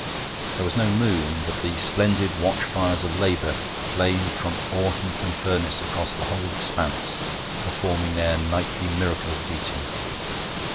There was no moon, but the splendid watch fires of labour flamed from ore heap and furnace across the whole expanse, performing their nightly miracle of beauty.